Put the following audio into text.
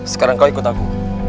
sekarang kau ikut aku